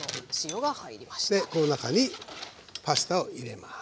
でこの中にパスタを入れます。